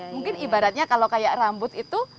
mungkin ibaratnya kalau kayak rambut itu